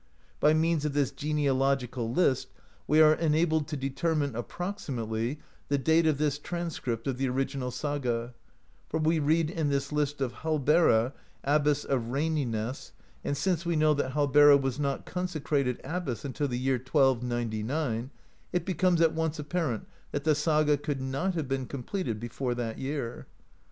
By means of this genealogical list, we are enabled to determine, ap proximately, the date of this transcript of the original saga, for we read in this list of Hallbera, "Abbess of Rey niness," and since we know that Hallbera was not con secrated abbess until the year 1299, it becomes at once apparent that the saga could not have been completed be fore that year.